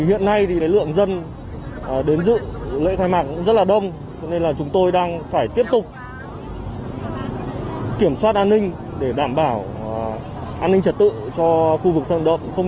hiện nay thì lượng dân đến dự lễ khai mạc cũng rất là đông cho nên là chúng tôi đang phải tiếp tục kiểm soát an ninh để đảm bảo an ninh trật tự cho khu vực sân động